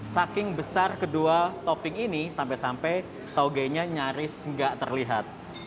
saking besar kedua topping ini sampai sampai tauge nyaris nggak terlihat